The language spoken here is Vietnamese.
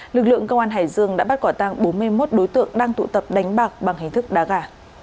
lực lượng công an hải dương đã bắt quả tăng bốn mươi một đối tượng đang tụ tập đánh bạc bằng hình thức đá gà